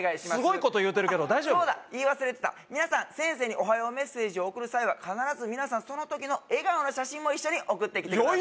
あっそうだ言い忘れてた皆さん先生におはようメッセージを送る際は必ず皆さんその時の笑顔の写真も一緒に送ってきてください